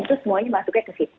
itu semuanya masuk